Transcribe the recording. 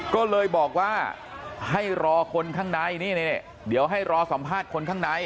ก็เลยบอกว่าให้รอคนข้างในนี่เดี๋ยวให้รอสัมภาษณ์คนข้างใน